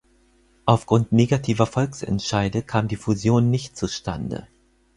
Aufgrund negativer Volksentscheide kam die Fusion nicht zustande.